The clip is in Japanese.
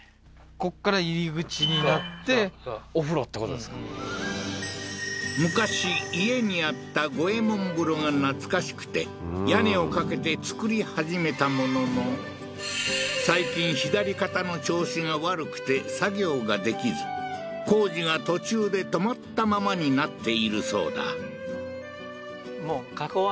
こっから入り口になってお風呂ってことですか昔家にあった五右衛門風呂が懐かしくて屋根をかけて造り始めたものの最近左肩の調子が悪くて作業ができず工事が途中で止まったままになっているそうだああー